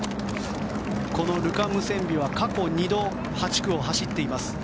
このルカ・ムセンビは過去２度、８区を走っています。